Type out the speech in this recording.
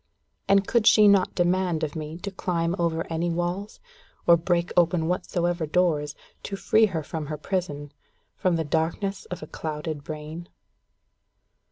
And could she not demand of me to climb over any walls, or break open whatsoever doors, to free her from her prison from the darkness of a clouded brain?